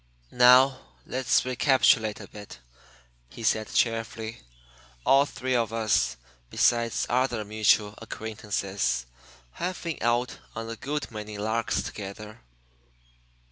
"Now, let's recapitulate a bit," he said cheerfully. "All three of us, besides other mutual acquaintances, have been out on a good many larks together."